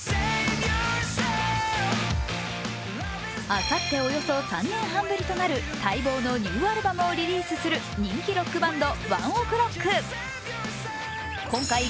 あさっておよそ３年半ぶりとなる待望のニューアルバムをリリースする人気ロックバンド・ＯＮＥＯＫＲＯＣＫ。